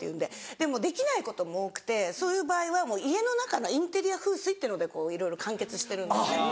でもできないことも多くてそういう場合は家の中のインテリア風水っていうのでいろいろ完結してるんですね。